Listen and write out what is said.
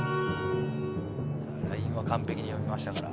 ラインは完璧に読みましたから。